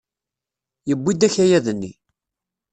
Yewwi-d akayad-nni.